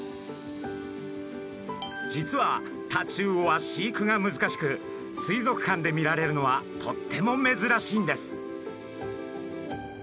実はタチウオは飼育が難しく水族館で見られるのはとっても珍しいんです。